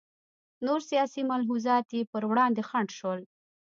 نور سیاسي ملحوظات یې پر وړاندې خنډ شول.